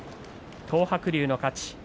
東白龍の勝ち。